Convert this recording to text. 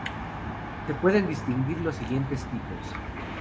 Se pueden distinguir los siguientes tipos.